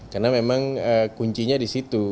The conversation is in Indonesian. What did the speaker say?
karena memang kuncinya di situ